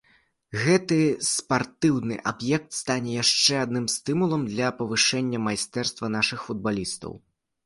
Гэты спартыўны аб'ект стане яшчэ адным стымулам для павышэння майстэрства нашых футбалістаў.